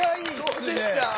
どうでした？